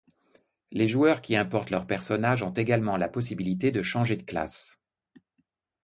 Les joueurs qui importent leur personnage ont également la possibilité de changer de classe.